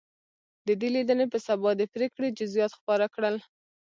د دې لیدنې په سبا د پرېکړې جزییات خپاره کړل.